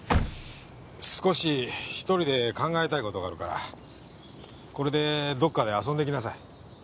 少し一人で考えたい事があるからこれでどこかで遊んできなさい。